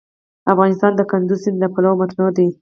افغانستان د کندز سیند له پلوه متنوع دی.